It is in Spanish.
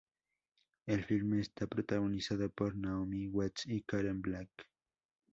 El filme está protagonizado por Naomi Watts y Karen Black.